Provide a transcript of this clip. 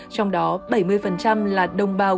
trong đó bảy mươi là đông bào